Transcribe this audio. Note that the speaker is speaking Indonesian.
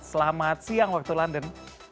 selamat siang waktu london